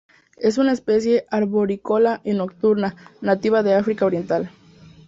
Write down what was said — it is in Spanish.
Es una especie arborícola y nocturna, nativa de África Oriental.